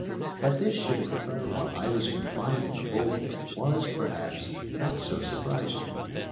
That this should occur while I was confined in the Bull Pen was, perhaps, not so surprising.